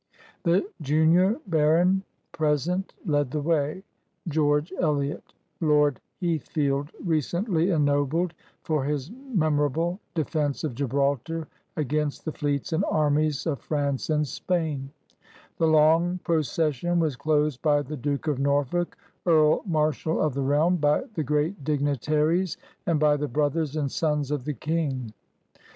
162 THE IMPEACHMENT OF WARREN HASTINGS The junior baron present led the way, George Eliott, Lord Heathficld, recently ennobled for his memorable defense of Gibraltar against the lleets and armies of France and Spain. The long procession was closed by the Duke of Norfolk, Earl Marshal of the realm, by the great dignitaries, and by the brothers and sons of the King.